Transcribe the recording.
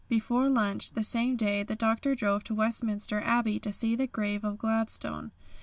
Before lunch the same day the Doctor drove to Westminster Abbey to see the grave of Gladstone.